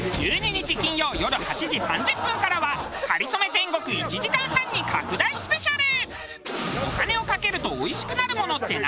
１２日金曜よる８時３０分からは『かりそめ天国』１時間半に拡大スペシャル！